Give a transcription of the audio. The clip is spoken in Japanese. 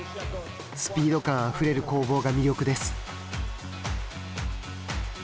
スピード感あふれる攻防が魅力です。